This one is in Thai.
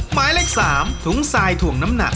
หมายเลข๓ถุงทรายถ่วงน้ำหนัก